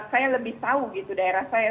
saya lebih tahu gitu daerah saya